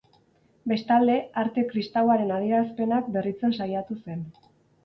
Bestalde, arte kristauaren adierazpenak berritzen saiatu zen.